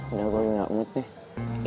udah gue minggak moodnya